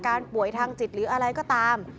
แล้วยาตรก็บอกด้วยว่า